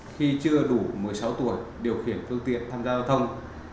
khi chưa đủ một mươi sáu tuổi điều khiển phương tiện tham gia giao thông